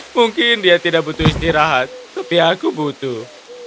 mungkin dia tidak butuh istirahat tapi aku butuh